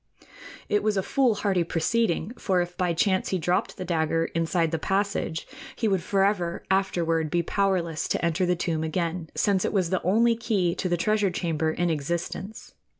It was a foolhardy proceeding, for if by chance he dropped the dagger inside the passage, he would forever afterward be powerless to enter the tomb again, since it was the only key to the treasure chamber in existence.